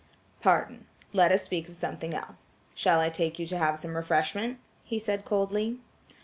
"Pardon. Let us speak of something else. Shall I take you to have some refreshment?" he said coldly.